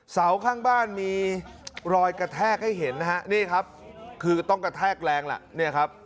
เสาข้างบ้านมีรอยกระแทกให้เห็นนะฮะนี่ครับคือต้องกระแทกแรงล่ะเนี่ยครับ